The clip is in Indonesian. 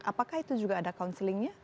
apakah itu juga ada counselingnya